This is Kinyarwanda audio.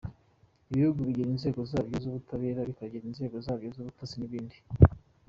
Ibihugu bigira inzego zabyo z’ubutabera, bikagira inzego zabyo z’ubutasi n’ibindi.